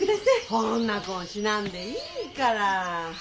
ほんなこんしなんでいいから。